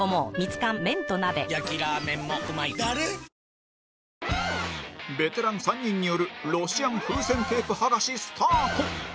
ニトリベテラン３人によるロシアン風船テープはがしスタート